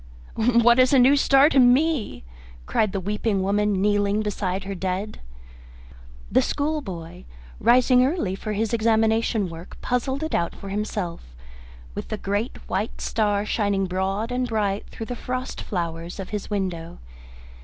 "What is a new star to me?" cried the weeping woman, kneeling beside her dead. The schoolboy, rising early for his examination work, puzzled it out for himself with the great white star shining broad and bright through the frost flowers of his window.